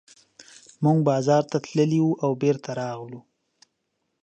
موږ بازار ته تللي وو او بېرته راغلو.